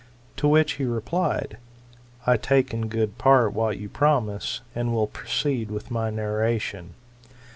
To which he replied, I take in good part what you promise, and will proceed with my narration.